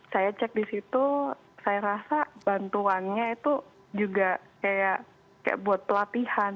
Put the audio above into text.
saya cek di situ saya rasa bantuannya itu juga kayak buat pelatihan